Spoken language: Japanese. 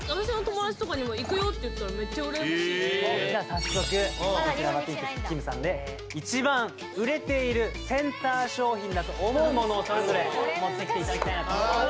早速こちらＭａｔｉｎＫｉｍさんで一番売れているセンター商品だと思うものそれぞれ持ってきていただきたいと思います。